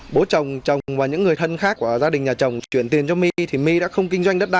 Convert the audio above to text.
bố chồng chồng và những người thân khác của gia đình nhà chồng chuyển tiền cho my thì my đã không kinh doanh đất đai